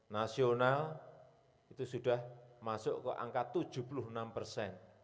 nasional itu sudah masuk ke angka tujuh puluh enam persen